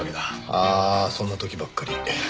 ああそんな時ばっかり。